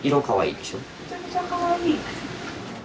めちゃめちゃかわいいですね。